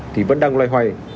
thì vẫn đang loay hoay